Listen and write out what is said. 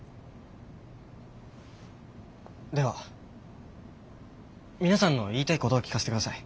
では皆さんの言いたいことを聞かせてください。